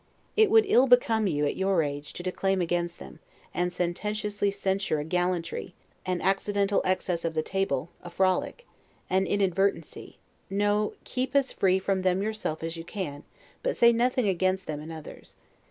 It would ill become you, at your age, to declaim against them, and sententiously censure a gallantry, an accidental excess of the table, a frolic, an inadvertency; no, keep as free from them yourself as you can: but say nothing against them in others.